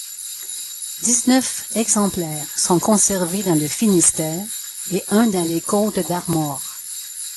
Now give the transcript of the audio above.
Dix-neuf exemplaires sont conservés dans le Finistère, et un dans les Côtes-d'Armor.